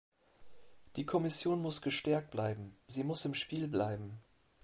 Die Kommission muss gestärkt bleiben, sie muss im Spiel bleiben.